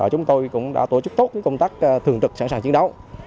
chúng tôi cũng đã tổ chức tốt công tác thường trực sẵn sàng chiến đấu